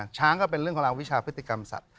ก็เป็นเรื่องราววิชาพฤติกรรมสัตว